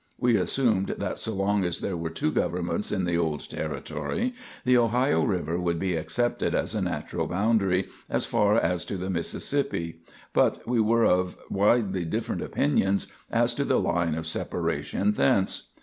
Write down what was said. We assumed that so long as there were two governments in the old territory, the Ohio River would be accepted as a natural boundary as far as to the Mississippi; but we were of widely different opinions as to the line of separation thence.